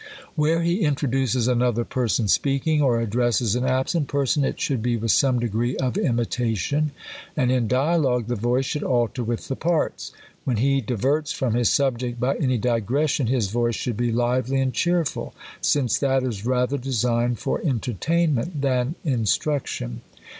Where he introduces another per son speaking, or addresses an absent person, it should be with some degree of imitation. And in dialogue, the voice should alter with the parts. When he di verts from his subject by any digression, his voice should be lively and cheerful 5 since that is rather de signed for entertainment than instruction.